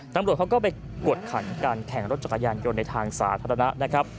ตำรวจเขาก็ไปกวดขันการแข่งรถจักรยานยนต์ในทางสาธารณะนะครับ